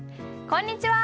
こんにちは。